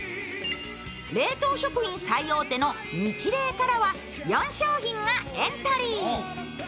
冷凍食品最大手のニチレイからは４商品がエントリー。